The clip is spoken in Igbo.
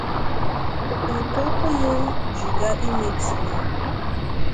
nke ụkwụ mụ ji ga imetu ya.